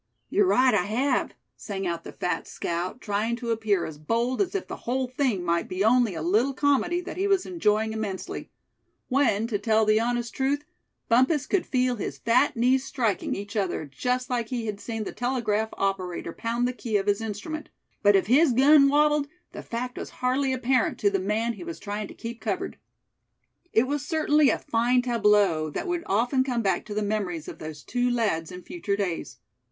"You're right, I have!" sang out the fat scout, trying to appear as bold as if the whole thing might be only a little comedy that he was enjoying immensely; when, to tell the honest truth, Bumpus could feel his fat knees striking each other just like he had seen the telegraph operator pound the key of his instrument; but if his gun wabbled, the fact was hardly apparent to the man he was trying to keep covered. It was certainly a fine tableau, that would often come back to the memories of those two lads in future days.